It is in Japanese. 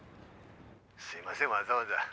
すいませんわざわざ。